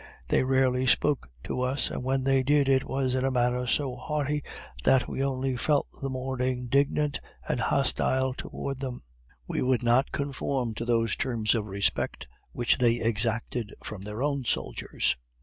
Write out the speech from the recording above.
They rarely spoke to us, and when they did it was in a manner so haughty that we only felt the more indignant and hostile toward them. We would not conform to those terms of respect which they exacted from their own soldiers.